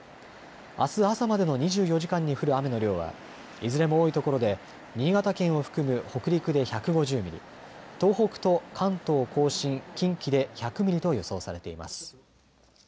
あす朝までの２４時間に降る雨の量はいずれも多いところで新潟県を含む北陸で１５０ミリ、東北と関東甲信、近畿で１００ミリと予想されています。